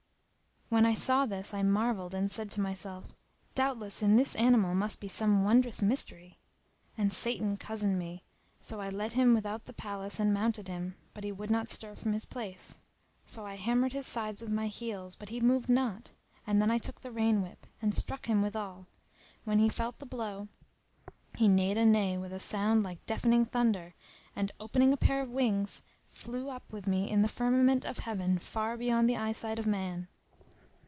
When I saw this I marvelled and said to myself, "Doubtless in this animal must be some wondrous mystery;" and Satan cozened me, so I led him without the palace end mounted him, but he would not stir from his place. So I hammered his sides with my heels, but he moved not, and then I took the rein whip,[FN#299] and struck him withal. When he felt the blow, he neighed a neigh with a sound like deafening thunder and, opening a pair of wings[FN#300] flew up with me in the firmament of heaven far beyond the eyesight of man.